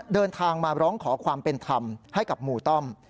เดินทางมาร้องขอความเป็นธรรมให้กับหมู่ต้อม